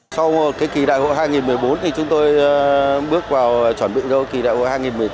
sau kỳ đại hội hai nghìn một mươi bốn chúng tôi bước vào chuẩn bị kỳ đại hội hai nghìn một mươi tám